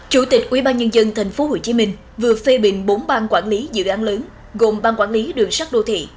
chủ tịch ubnd tp hcm vừa phê bình bốn ban quản lý dự án lớn gồm ban quản lý đường sắt đô thị